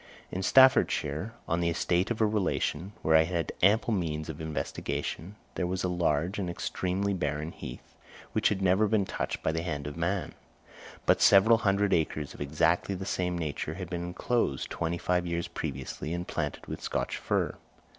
In Staffordshire, on the estate of a relation, where I had ample means of investigation, there was a large and extremely barren heath, which had never been touched by the hand of man; but several hundred acres of exactly the same nature had been enclosed twenty five years previously and planted with Scotch fir.